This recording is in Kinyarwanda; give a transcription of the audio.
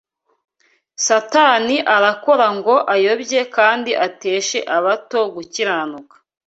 Satani arakora ngo ayobye kandi ateshe abato gukiranuka